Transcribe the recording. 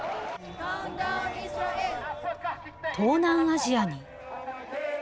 東南アジアに。